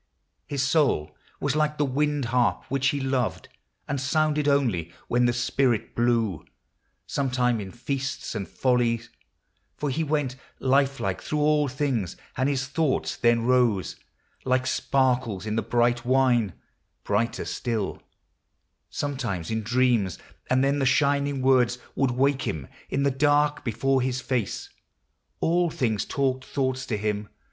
His soul was like the wind harp, which he loved, And sounded only when the spirit blew, Sometime in feasts and follies, for he went Lifelike through all things ; and his thoughts then rose Like sparkles in the bright wine, brighter still ; Sometimes in dreams, and then the shining words Would Avake him in the dark before his face. All things talked thoughts . to him.